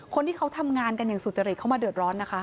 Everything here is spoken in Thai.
คนที่เขาทำงานกันอย่างสุจริตเข้ามาเดือดร้อนนะคะ